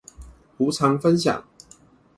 無償分享